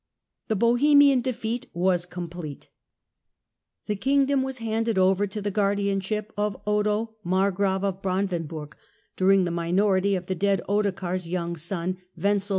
The Bohemian defeat was complete. The King dom was handed over to the guardianship of Otto Mar grave of Brandenburg during the minority of the dead Ottokar's young son, Wenzel II.